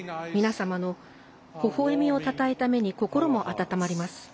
皆様の、ほほえみをたたえた目に心も温まります。